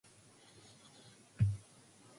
It is also referred to as the Smuggling Protocol.